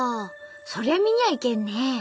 そりゃ見にゃいけんね。